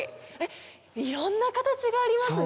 いろんな形がありますね。